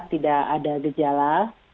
tidak ada gejala